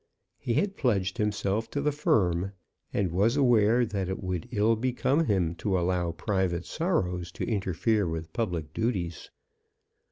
He had pledged himself to the firm, and was aware that it would ill become him to allow private sorrows to interfere with public duties.